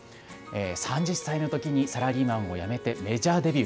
３０歳のときにサラリーマンを辞めてメジャーデビュー。